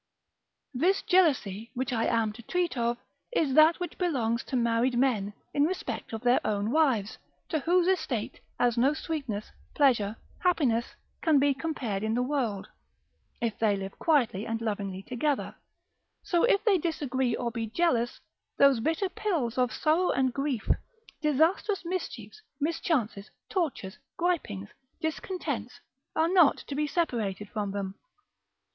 This jealousy, which I am to treat of, is that which belongs to married men, in respect of their own wives; to whose estate, as no sweetness, pleasure, happiness can be compared in the world, if they live quietly and lovingly together; so if they disagree or be jealous, those bitter pills of sorrow and grief, disastrous mischiefs, mischances, tortures, gripings, discontents, are not to be separated from them.